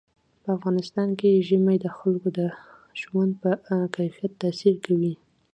په افغانستان کې ژمی د خلکو د ژوند په کیفیت تاثیر کوي.